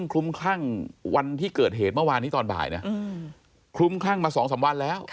คลุมครั่งมาสองสามวันแล้ว